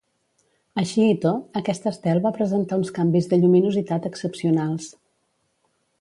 Així i tot, aquest estel va presentar uns canvis de lluminositat excepcionals.